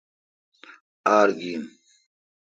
آر گین۔